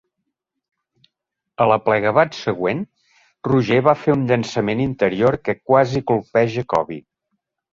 A l'aplegabats següent, Roger va fer un llançament interior que quasi colpeja Koby.